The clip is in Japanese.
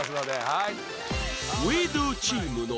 はい。